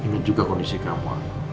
ini juga kondisi kamu